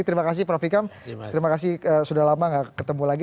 terima kasih prof ikam terima kasih sudah lama gak ketemu lagi